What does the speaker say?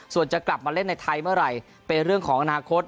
ส่วนจะกลับมาเล่นในไทยเมื่อไหร่เป็นเรื่องของอนาคต